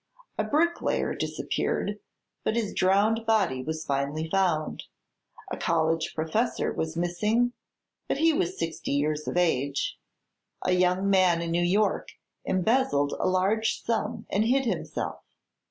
A bricklayer disappeared, but his drowned body was finally found; a college professor was missing, but he was sixty years of age; a young man in New York embezzled a large sum and hid himself.